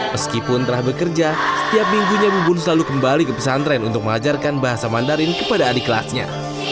meskipun telah bekerja setiap minggunya bubun selalu kembali ke pesantren untuk mengajarkan bahasa mandarin kepada adik kelasnya